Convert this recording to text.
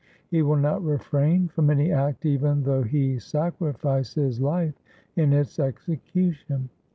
He will not refrain from any act even though he sacrifice his life in its execution.